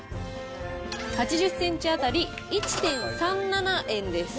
８０センチ当たり１．３７円です。